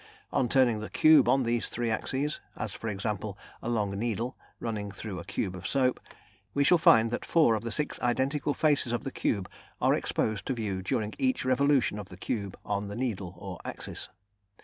On turning the cube on these three axes as, for example, a long needle running through a cube of soap we shall find that four of the six identical faces of the cube are exposed to view during each revolution of the cube on the needle or axis.